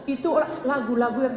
itu lagu lagu yang